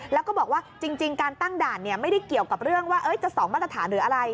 แล้วก็บอกว่าจริงการตั้งด่านไม่ได้เกี่ยวกับเรื่องว่าจะ๒มาตรฐานหรืออะไร